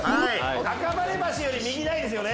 赤羽橋より右ないですね？